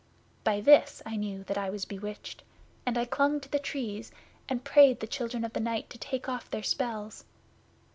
By this I knew that I was bewitched, and I clung to the Trees, and prayed the Children of the Night to take off their spells.